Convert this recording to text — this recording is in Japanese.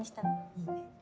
いいね。